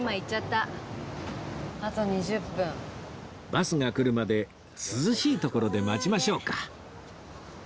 バスが来るまで涼しい所で待ちましょうか